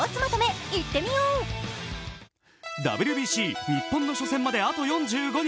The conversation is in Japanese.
ＷＢＣ日本の初戦まであと４５日。